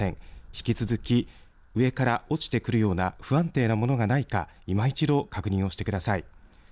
引き続き上から落ちてくるような不安定なものがないかいま一度確認をしてください。